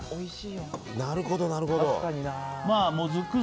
なるほど、なるほど。